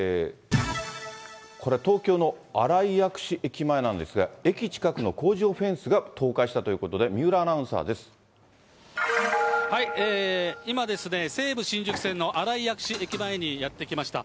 これは東京の新井薬師駅前なんですが、駅近くの工事用フェンスが倒壊したということで、三浦アナウンサ今ですね、西武新宿線の新井薬師駅前にやって来ました。